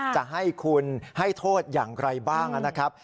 จะให้คุณให้โทษอย่างไรบ้างนะครับ